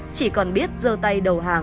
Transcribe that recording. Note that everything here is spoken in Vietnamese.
chỉ còn biết dơ tay